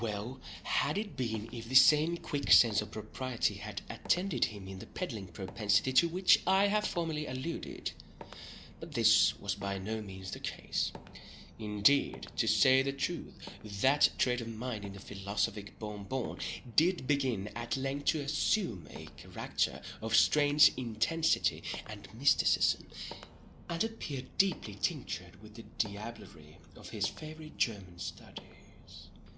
Well had it been if the same quick sense of propriety had attended him in the peddling propensity to which I have formerly alluded—but this was by no means the case. Indeed to say the truth, that trait of mind in the philosophic Bon Bon did begin at length to assume a character of strange intensity and mysticism, and appeared deeply tinctured with the diablerie of his favorite German studies.